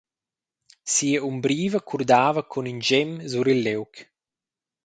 Sia umbriva curdava cun in schem sur il liug.